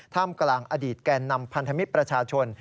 มกลางอดีตแก่นำพันธมิตรประชาชน